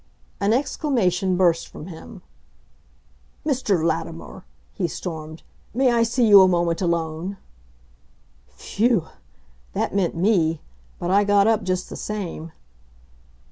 An exclamation burst from him. "Mr. Latimer," he stormed, "may I see you a moment alone?" Phew! That meant me. But I got up just the same.